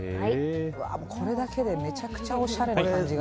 これだけでめちゃくちゃおしゃれな感じが。